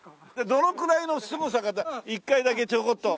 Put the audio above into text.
どのくらいのすごさか１回だけちょこっと。